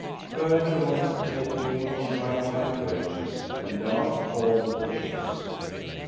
Further on they came upon bright young birches and dark alder bushes.